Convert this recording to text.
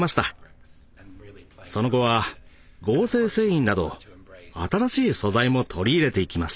その後は合成繊維など新しい素材も取り入れていきます。